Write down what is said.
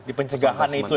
di pencegahan itu ya mas ya